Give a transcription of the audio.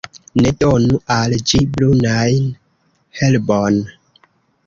Ne donu al ĝi brunan herbon.